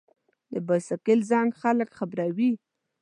د بایسکل زنګ خلک خبروي.